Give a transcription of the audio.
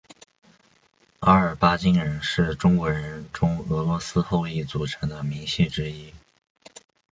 阿尔巴津人是中国人中俄罗斯后裔组成的民系之一。